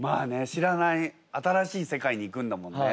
知らない新しい世界に行くんだもんね。